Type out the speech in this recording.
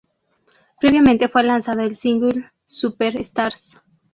Previamente fue lanzado, el single "Superstars".